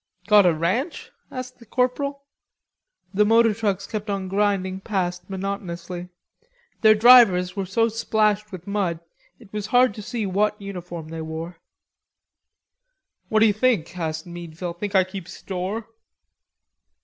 "Got a ranch?" asked the corporal. The motor trucks kept on grinding past monotonously; their drivers were so splashed with mud it was hard to see what uniform they wore. "What d'ye think?" asked Meadville. "Think I keep store?"